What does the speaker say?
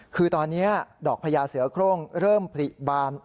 คือตอนนี้ดอกพญาเสือโครงเริ่มผลิบาน